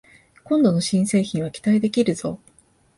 今度の新製品は期待できるぞ